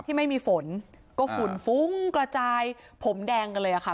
ที่ไม่มีฝนก็ฝุ่นฟุ้งกระจายผมแดงกันเลยอะค่ะ